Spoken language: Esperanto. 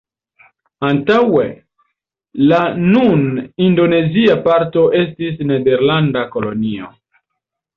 Antaŭe, la nun indonezia parto estis nederlanda kolonio.